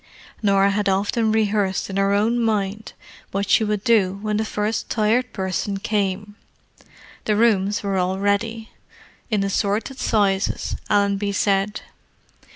Norah had often rehearsed in her own mind what she would do when the first Tired Person came. The rooms were all ready—"in assorted sizes," Allenby said.